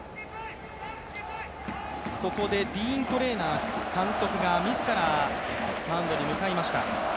ここでディーン・トレーナー監督が自らマウンドに向かいました。